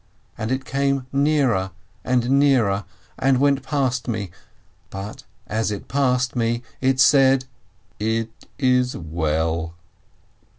And it came nearer and nearer, and went past me, but as it passed me it said: "It is well